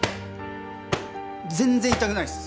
全然痛くないです！